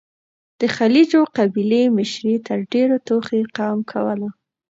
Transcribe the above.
د غلجيو قبيلې مشري تر ډيرو توخي قوم کوله.